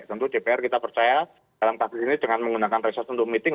tentu dpr kita percaya dalam kasus ini dengan menggunakan research untuk meeting